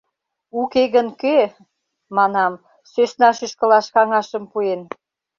Уке гын кӧ, манам, сӧсна шӱшкылаш каҥашым пуэн?